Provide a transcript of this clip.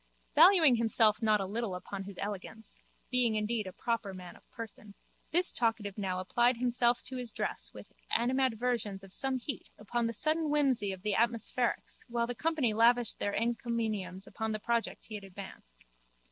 Valuing himself not a little upon his elegance, being indeed a proper man of person, this talkative now applied himself to his dress with animadversions of some heat upon the sudden whimsy of the atmospherics while the company lavished their encomiums upon the project he had advanced.